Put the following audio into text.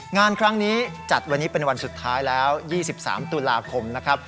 งานครั้งนี้จัดวันนี้เป็นวันสุดท้ายแล้ว๒๓ตุลาคมนะครับ